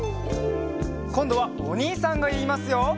こんどはおにいさんがいいますよ。